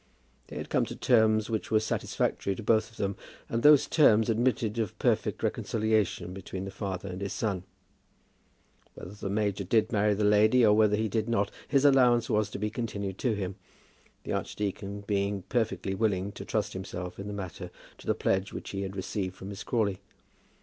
They had come to terms which were satisfactory to both of them, and those terms admitted of perfect reconciliation between the father and his son. Whether the major did marry the lady or whether he did not, his allowance was to be continued to him, the archdeacon being perfectly willing to trust himself in the matter to the pledge which he had received from Miss Crawley.